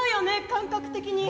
感覚的に。